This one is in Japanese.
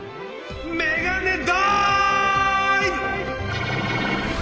メガネダイブ！